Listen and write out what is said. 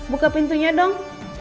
buka pintunya dong